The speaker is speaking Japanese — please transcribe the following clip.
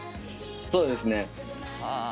そうですね。